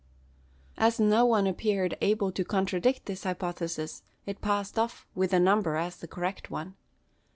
As no one appeared able to contradict this hypothesis, it passed off, with a number, as the correct one.